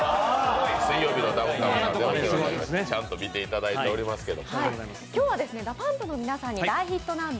「水曜日のダウンタウン」ちゃんと見ていただいておりますけど。